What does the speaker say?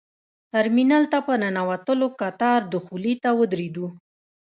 ترمینل ته په ننوتلو کتار دخولي ته ودرېدو.